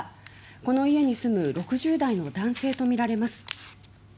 この家に住む６０代の男性とみられます。